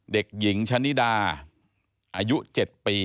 เด็กหญิงชะนิดาอายุ๗ปี